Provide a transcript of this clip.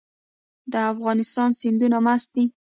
د افغانستان سیندونه مست دي